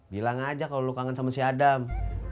bilang aja kalau lu kangen sama si adam